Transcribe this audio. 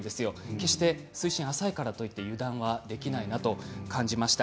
決して水深が浅いからといって油断はできないなと感じました。